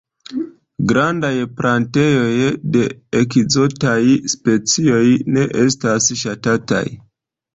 Grandaj plantejoj de ekzotaj specioj ne estas ŝatataj.